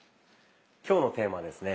今日のテーマはですね